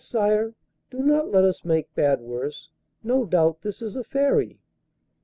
sire, do not let us make bad worse; no doubt this is a Fairy!